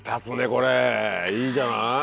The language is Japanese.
これいいじゃない。